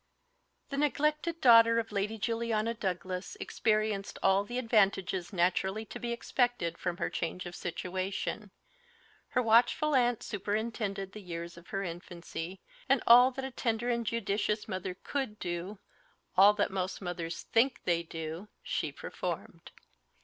THE neglected daughter of Lady Juliana Douglas experienced all the advantages naturally to be expected from her change of situation. Her watchful aunt superintended the years of her infancy, and all that a tender and judicious mother could do all that most mothers think they do she performed.